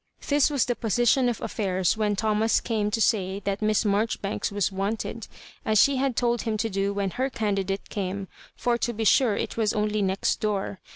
This was the position of affairs when Thomas came to say that Miss Maijoribanks was wanted, as she had told him to do when her candidate came ; for, to be sure, it was only next door.